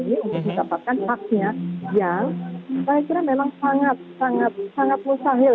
ini untuk mendapatkan haknya yang saya kira memang sangat sangat mustahil